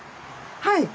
はい。